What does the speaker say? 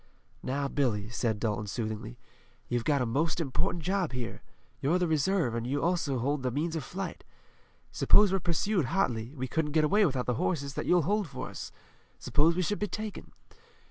"Now, Billy," said Dalton soothingly, "you've got a most important job here. You're the reserve, and you also hold the means of flight. Suppose we're pursued hotly, we couldn't get away without the horses that you'll hold for us. Suppose we should be taken.